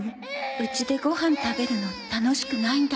家でご飯食べるの楽しくないんだって。